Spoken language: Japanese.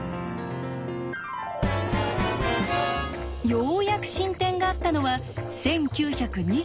ようやく進展があったのは１９２８年。